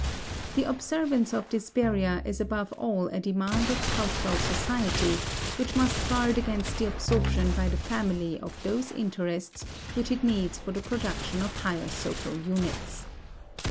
The observance of this barrier is above all a demand of cultural society which must guard against the absorption by the family of those interests which it needs for the production of higher social units.